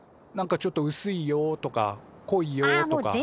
何かちょっとうすいよとかこいよとか。